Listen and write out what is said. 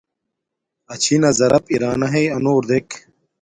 اچھِنݳ زَرَپ اِرݳنݳ ہݵئ اَنݸر دݵک.